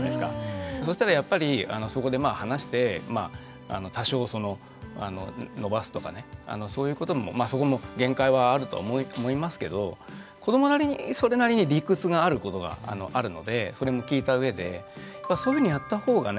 そしたらやっぱりそこでまあ話して多少その延ばすとかねそういうこともまあそこも限界はあると思いますけど子どもなりにそれなりに理屈があることがあるのでそれも聞いた上でそういうふうにやったほうがね